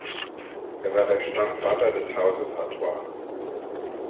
Er war der Stammvater des Hauses Artois.